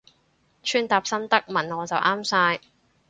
穿搭心得問我就啱晒